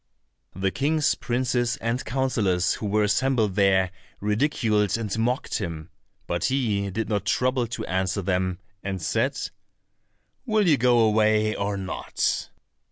The kings, princes, and councillors who were assembled there, ridiculed and mocked him, but he did not trouble to answer them, and said, "Will you go away, or not?"